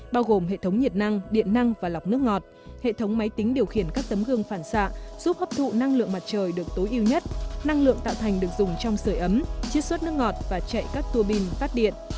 bao gồm hệ thống nhiệt năng điện năng và lọc nước ngọt hệ thống máy tính điều khiển các tấm gương phản xạ giúp hấp thụ năng lượng mặt trời được tối ưu nhất năng lượng tạo thành được dùng trong sửa ấm chiết xuất nước ngọt và chạy các tua bin phát điện